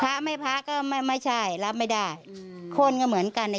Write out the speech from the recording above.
แต่จะพระไม่พระพระไม่พระก็ไม่ใช่รับไม่ได้อืมคนก็เหมือนกันนะ